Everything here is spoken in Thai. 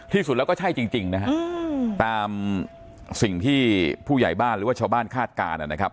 ที่สุดแล้วก็ใช่จริงนะฮะตามสิ่งที่ผู้ใหญ่บ้านหรือว่าชาวบ้านคาดการณ์นะครับ